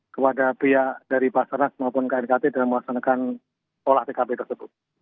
kepada pihak dari basarnas maupun knkt dalam melaksanakan olah tkp tersebut